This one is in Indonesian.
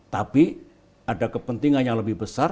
tapi ada kepentingan yang lebih besar